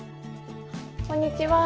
こんにちは。